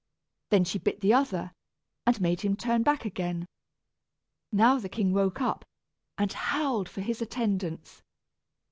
Then she bit the other, and made him turn back again. Now the king woke up, and howled for his attendants.